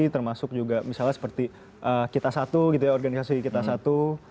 termasuk juga misalnya seperti kita satu gitu ya organisasi kita satu